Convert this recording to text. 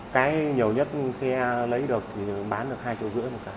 cái nhiều nhất xe lấy được thì bán được hai triệu rưỡi một cả